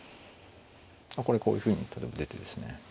これこういうふうに例えば出てですね